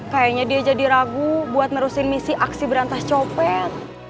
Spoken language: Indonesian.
kayaknya dia jadi ragu buat nerusin misi aksi berantas copet